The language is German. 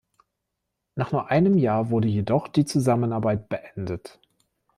Nach nur einem Jahr wurde jedoch die Zusammenarbeit beendet.